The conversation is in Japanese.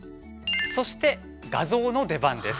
そして、画像の出番です。